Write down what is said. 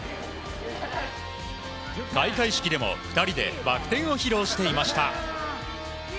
開会式でも、２人でバク転を披露していました。